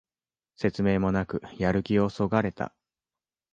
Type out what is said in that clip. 説明もなくやる気をそがれた